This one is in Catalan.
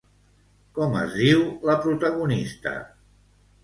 Com es diu la protagonista?